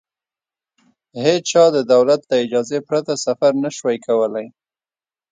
هېچا د دولت له اجازې پرته سفر نه شوای کولای.